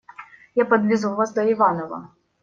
Я подвезу вас до Иваново.